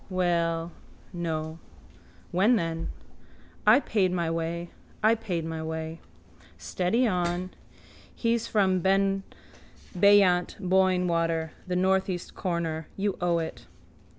Well... No. When, then? I paid my way. I paid my way. Steady on. He's from beyant Boyne water. The northeast corner. You owe it.